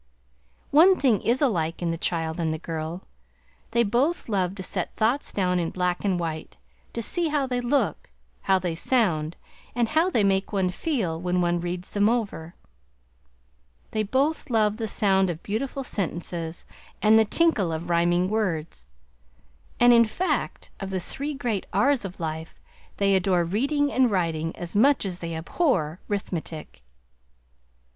One thing is alike in the child and the girl. They both love to set thoughts down in black and white; to see how they look, how they sound, and how they make one feel when one reads them over. They both love the sound of beautiful sentences and the tinkle of rhyming words, and in fact, of the three great R's of life, they adore Reading and Riting, as much as they abhor 'Rithmetic.